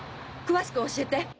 詳しく教えて！